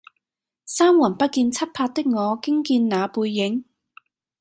三魂不見七魄的我驚見那背影